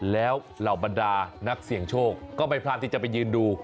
แล้วเหล่าบรรดานักเสี่ยงโชคก็ไม่พลาดที่จะไปยืนดู